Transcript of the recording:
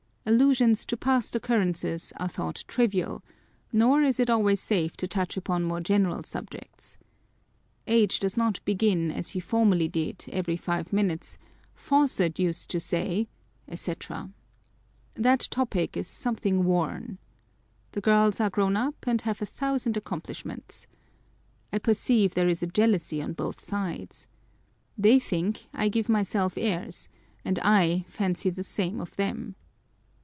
Allusions to past occurrences are thought trivial, nor is it always safe to touch upon more general subjects. IT. does not begin as he formerly did every five minutes, u Fawcett used to say," &c. That topic is something worn. The girls are grown up, and have a thousand accomplishments. I perceive there is a jealousy on both sides. They think I give myself airs, and I fancy the same of them.